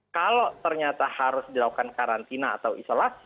kalau ternyata harus dilakukan karantina atau isolasi